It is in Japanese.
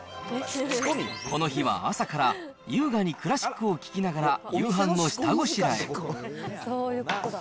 この日は朝から優雅にクラシックを聴きながら、夕飯の下ごしらえ。